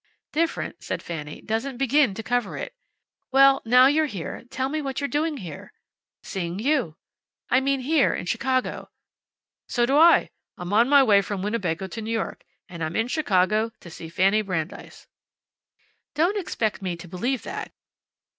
"Different," said Fanny, "doesn't begin to cover it. Well, now you're here, tell me what you're doing here." "Seeing you." "I mean here, in Chicago." "So do I. I'm on my way from Winnebago to New York, and I'm in Chicago to see Fanny Brandeis." "Don't expect me to believe that."